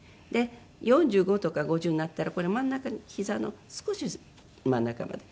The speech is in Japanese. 「４５とか５０になったら真ん中にひざの少し真ん中まで」。